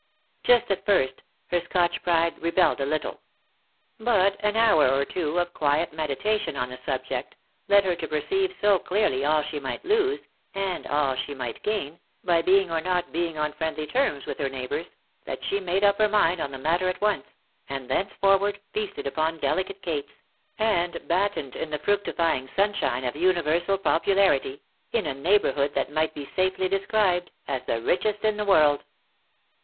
Just at first, her Scotch pride rebelled a little ; but an hour or two of quiet meditation on the subject, led her to perceive so clearly all she might lose, and all she might gain, by being or not being on friendly terms with her neighbours, that she made up her mind on the matter at once, and thenceforward feasted upon delicate cates, and battened in the fructifying sunshine of universal popularity, in a neighbourhood that might be safely described as the richest in the world.